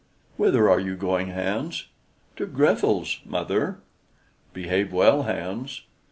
"Whither are you going, Hans?" "To Grethel's, mother." "Behave well, Hans."